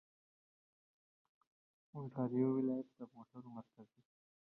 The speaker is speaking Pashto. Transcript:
اونټاریو ولایت د موټرو مرکز دی.